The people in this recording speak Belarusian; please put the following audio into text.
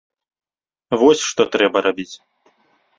Вось што трэба рабіць.